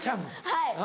はい。